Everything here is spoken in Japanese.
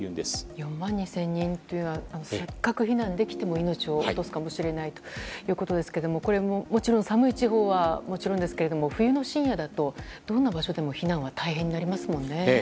４万２０００人というのはせっかく避難できても命を落とすかもしれないということですけどもこれ、寒い地方はもちろんですけれども冬の深夜だとどんな場所でも避難が大変になりますね。